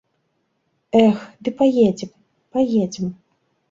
Эх, ды паедзем, паедзем!